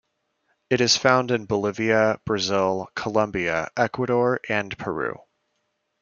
It is found in Bolivia, Brazil, Colombia, Ecuador, and Peru.